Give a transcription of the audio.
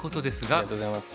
ありがとうございます。